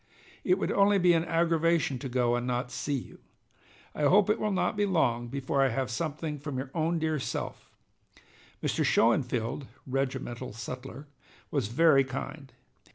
It would only be an aggravation to go and not see you. I hope it will not be long before I have something from your own dear self. Mr. Schoenfield [regimental sutler] was very kind.